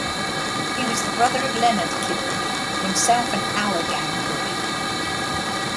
He was the brother of Leonard Kibrick, himself an "Our Gang" bully.